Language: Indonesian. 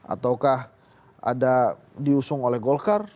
ataukah ada diusung oleh golkar